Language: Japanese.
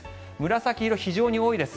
紫色、非常に多いです。